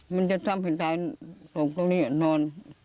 มันจะทำให้ตายตรงตรงนี้นอน